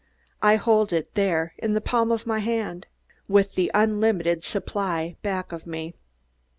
I hold it there, in the palm of my hand, with the unlimited supply back of me.